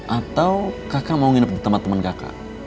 atau kakak mau nginep di tempat temen kakak